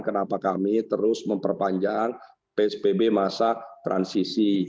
mengapa kami terus memperpanjang pspb masa transisi